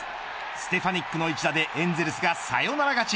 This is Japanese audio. ステファニックの一打でエンゼルスがサヨナラ勝ち。